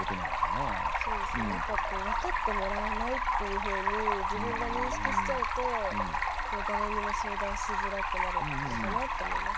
そうですね分かってもらえないっていうふうに自分が認識しちゃうと誰にも相談しづらくなるのかなって思います。